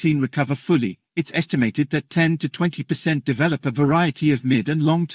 anda akan mengalami efek yang berat dalam jangka panjang